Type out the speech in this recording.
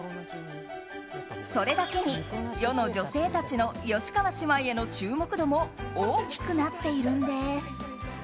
それだけに、世の女性たちの吉川姉妹への注目度も大きくなっているんです。